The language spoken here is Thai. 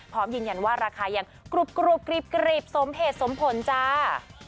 พร้อมยืนยันว่าราคายังกรุบกรีบสมเหตุสมผลจ้า